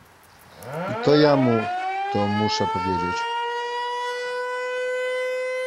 I to ja mu to muszę powiedzieć.